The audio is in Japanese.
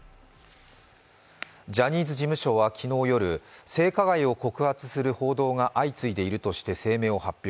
ジャニーズ事務所は昨日夜、性加害を告発する報道が相次いでいるとして声明を発表。